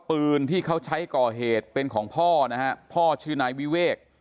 ปืนที่เขาใช้ก่อเหตุเป็นของพ่อนะฮะพ่อชื่อนายวิเวก